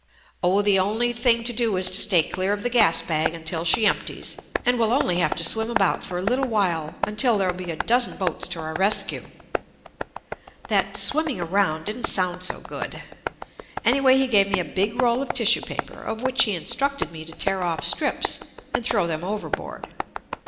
"Oh, the only thing to do is to stay clear of the gas bag until she empties, and we'll only have to swim about for a little while until there'll be a dozen boats to our res cue." That "swimming around" didn't sound JUST ME so good. Anyway, he gave me a big roll of tis sue paper, of which he instructed me to tear off strips and throw them overboard.